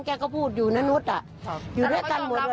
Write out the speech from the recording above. ก็พูดอยู่นะนุษย์อยู่ด้วยกันหมดเลย